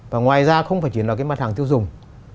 và ngoài ra không phải chỉ là cái mặt hàng tiêu dùng